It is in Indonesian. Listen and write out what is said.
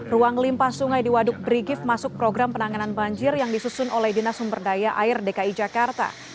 ruang limpah sungai di waduk berigif masuk program penanganan banjir yang disusun oleh dinas sumberdaya air dki jakarta